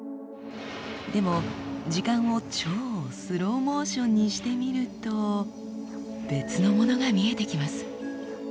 でも時間を超スローモーションにしてみると別のものが見えてきます。